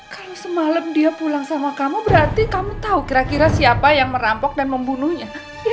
kalau semalam dia pulang sama kamu berarti kamu tahu kira kira siapa yang merampok dan membunuhnya